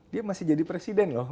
dia masih jadi presiden loh